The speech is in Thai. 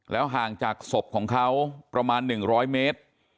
ห่างจากศพของเขาประมาณ๑๐๐เมตร